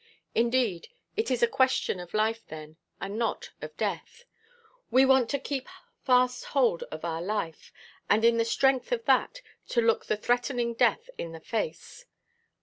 Indeed, it is a question of life then, and not of death. We want to keep fast hold of our life, and, in the strength of that, to look the threatening death in the face.